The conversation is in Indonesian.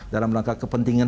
dalam rangka kepentingan